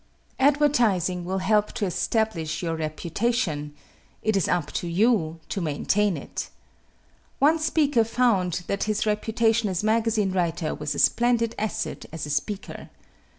Advertising will help to establish your reputation it is "up to you" to maintain it. One speaker found that his reputation as a magazine writer was a splendid asset as a speaker.